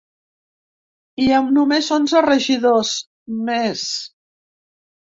I amb només onze regidors, més.